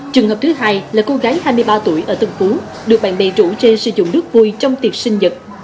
trường hợp thứ hai là cô gái hai mươi ba tuổi ở tân phú được bạn bè rủ chê sử dụng nước vui trong tiệc sinh nhật